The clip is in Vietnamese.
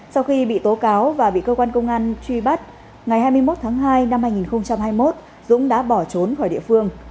sau khi bị tố cáo và bị cơ quan công an truy bắt ngày hai mươi một tháng hai năm hai nghìn hai mươi một dũng đã bỏ trốn khỏi địa phương